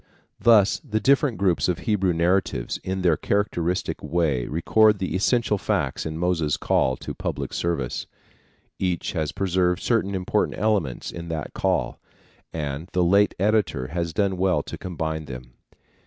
Thus the different groups of Hebrew narratives in their characteristic way record the essential facts in Moses' call to public service. Each has preserved certain important elements in that call, and the late editor has done well to combine them.